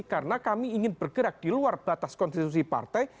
karena kami ingin bergerak di luar batas konstitusi partai